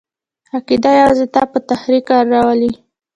عقیده یوازې تا په تحرک راولي!